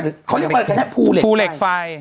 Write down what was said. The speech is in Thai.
หรือเขาเรียกว่าภูเหล็กไฟ